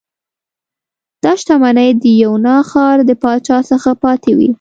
دا شتمنۍ د یونا ښار د پاچا څخه پاتې وې